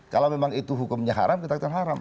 kalau memang itu hukumnya haram kita haram